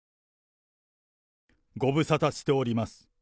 ご無沙汰しております。